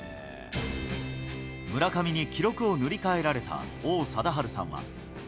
村上に記録を塗り替えられた王貞治さんは。